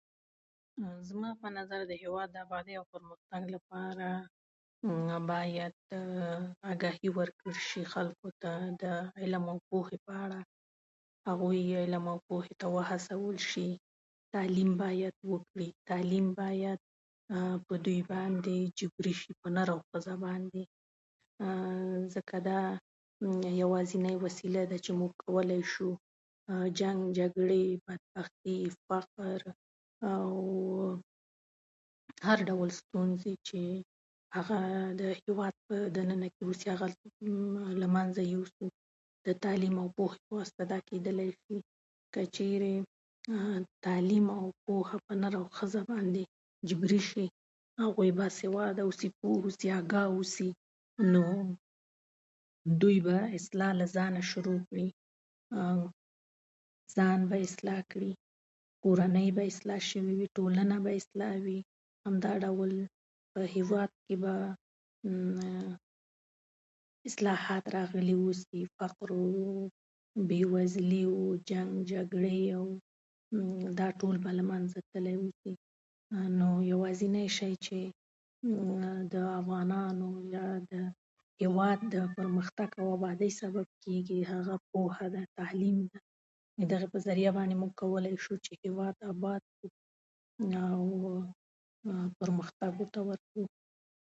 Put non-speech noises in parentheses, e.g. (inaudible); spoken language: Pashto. زما په نظر د هېواد ابادۍ او پرمختګ لپاره باید آګاهي ورکړل شي خلکو ته د علم او پوهې په اړه. هغوی علم او پوهې ته وهڅول شي. تعلیم باید وکړي، تعلیم باید په دوی باندې جبري شي، په نر او ښځه باندې (hesitation) ځکه دا یوازینۍ وسیله ده چې موږ کولای شو جنګ، جګړې، بدبختي، فقر او هر ډول ستونزې چې هغه د هېواد په دننه کې اوسي، هغه له منځه یوسو. د تعلیم او پوهې په واسطه دا کېدلای شي. که چېرې تعلیم او پوهه په نر او ښځه باندې جبري شي، هغوی به سواد اوسي، پوه اوسي، آګاه اوسي. نو دوی به اصلاح له ځانه شروع کړي. (hesitation) ځان به اصلاح کړي، کورنۍ به اصلاح شوې وي، ټولنه به اصلاح شوې وي. همدا ډول په هېواد کې به (hesitation) اصلاحات راغلي اوسي، فقر، بېوزلي او جنګ او جګړې، او دا ټول به له منځه تللي واوسي. نو یوازینی شی چې (hesitation) د افغانانو یا هېواد د پرمختګ او ابادۍ سبب کېږي، هغه پوهه ده، تعلیم ده. دغې په ذریعه باندې موږ کولای شو چې هېواد اباد کړو او پرمختګ ورته ورکړو.